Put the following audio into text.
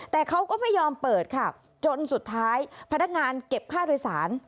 แต่เขาก็ไม่ยอมเปิดค่ะจนสุดท้ายพนักงานเก็บค่าโดยสาร